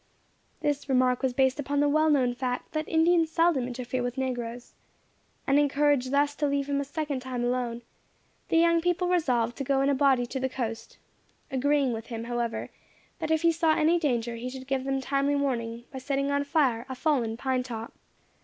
This remark was based upon the well known fact that Indians seldom interfere with negroes. And encouraged thus to leave him a second time alone, the young people resolved to go in a body to the coast; agreeing with him, however, that if he saw any danger he should give them timely warning by setting on fire a fallen pine top.